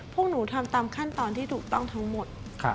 พวกหนูทำตามขั้นตอนที่ถูกต้องทั้งหมด